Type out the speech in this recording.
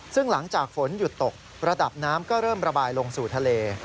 ซึ่งหลังจากฝนหยุดตกระดับน้ำก็เริ่มระบายลงสู่ทะเล